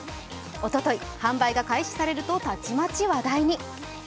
おととい販売が開始されるとたちまち話題に。